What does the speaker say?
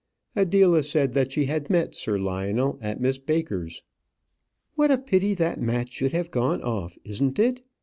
Adela said that she had met Sir Lionel at Miss Baker's. "What a pity that match should have gone off, isn't it?